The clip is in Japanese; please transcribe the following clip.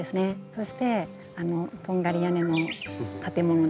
そしてあのとんがり屋根の建物ですね。